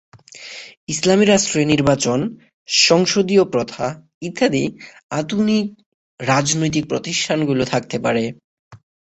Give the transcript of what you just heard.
ইসলামী রাষ্ট্রে নির্বাচন, সংসদীয় প্রথা ইত্যাদি আধুনিক রাজনৈতিক প্রতিষ্ঠানগুলো থাকতে পারে।